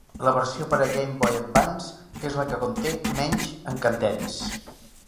La versió per a Game Boy Advance és la que conté menys encanteris.